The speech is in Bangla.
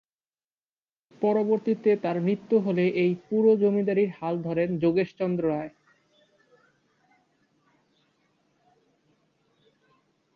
পরবর্তীতে তার মৃত্যু হলে এই পুরো জমিদারীর হাল ধরেন যোগেশ চন্দ্র রায়।